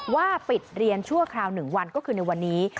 ว่าปิดเรียนชั่วคราว๑วันก็คือในวันนี้